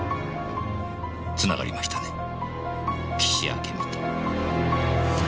繋がりましたね岸あけみと。